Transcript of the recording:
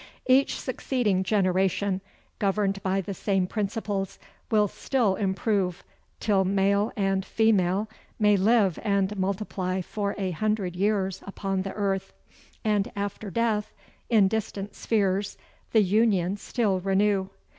Each succeeding generation, governed by the same principles, will still improve, till male and female may live and multiply for a hundred years upon the earth "And after death in distant spheres, The union still renew."